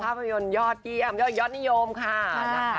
ภาพยนตร์ยอดเยี่ยมยอดนิยมค่ะนะคะ